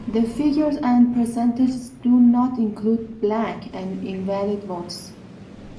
The figures and percentages do not include blank and invalid votes.